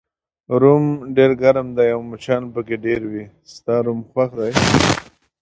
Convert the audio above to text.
روم ډېر ګرم دی او مچان پکې ډېر وي، ستا روم خوښ دی؟